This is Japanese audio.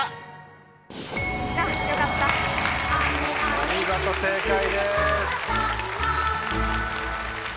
お見事正解です。